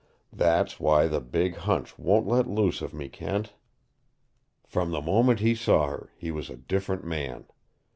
That's why the big hunch won't let loose of me, Kent. From the moment he saw her, he was a different man.